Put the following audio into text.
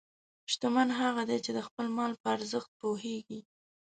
شتمن هغه دی چې د خپل مال په ارزښت پوهېږي.